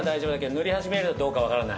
塗り始めるとどうか分からない。